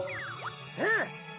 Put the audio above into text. うん。